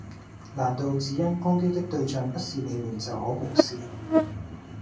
難道只因攻擊的對象不是你們就可無視